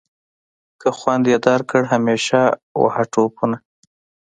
که خوند یې درکړ همیشه وهه ټوپونه.